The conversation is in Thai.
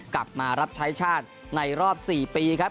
กลับมารับใช้ชาติในรอบ๔ปีครับ